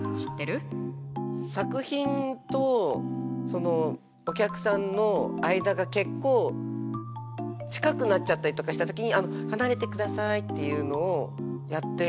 作品とお客さんの間が結構近くなっちゃったりとかした時に「離れてください」っていうのをやってる。